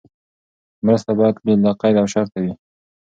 مرسته باید بې له قید او شرطه وي.